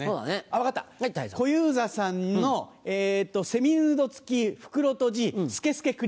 分かった小遊三さんのセミヌード付き袋とじ透け透けクリアファイル。